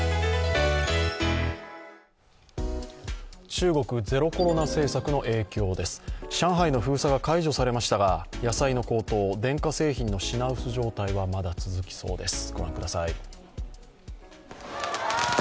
中国、ゼロコロナ政策の影響です上海の封鎖が解除されましたが、野菜の高騰、電化製品の品薄状態はまだ続きそうです。